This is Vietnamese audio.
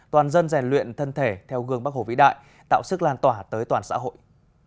toàn dân rèn luyện thân thể theo gương bắc hồ vĩ đại tạo sức lan tỏa tới toàn xã hội